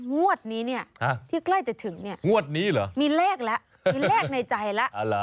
งวดนี้เนี่ยที่ใกล้จะถึงเนี่ยงวดนี้เหรอมีเลขแล้วมีเลขในใจแล้ว